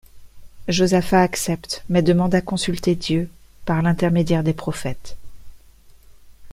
Josaphat accepte mais demande à consulter Dieu, par l'intermédiaire des prophètes.